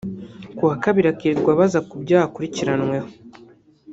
ku wa Kabiri akirirwa abazwa ku byaha akurikiranyweho